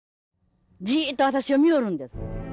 じっと私を見よるんです。